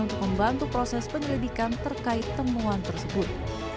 untuk membantu proses penyelidikan terkait temuan tersebut